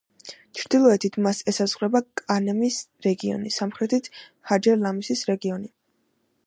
ჩრდილოეთით მას ესაზღვრება კანემის რეგიონი, სამხრეთით ჰაჯერ-ლამისის რეგიონი.